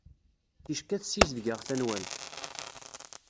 Ticki ad ssizdgeɣ tanwalt.